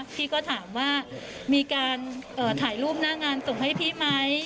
พี่ก็ถามว่ามีการถ่ายรูปหน้างานส่งให้พี่ไหม